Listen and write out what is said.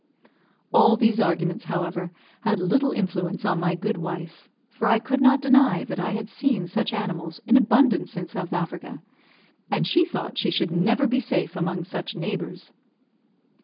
All these arguments, however, had little influence on my good wife, for I could not deny that I had seen such animals in abundance in South Africa; and she thought she should never be safe among such neighbours.